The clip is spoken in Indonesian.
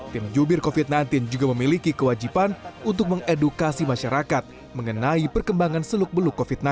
tim jubir covid sembilan belas juga memiliki kewajiban untuk mengedukasi masyarakat mengenai perkembangan seluk beluk covid sembilan belas